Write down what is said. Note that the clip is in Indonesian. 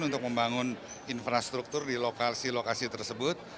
untuk membangun infrastruktur di lokasi lokasi tersebut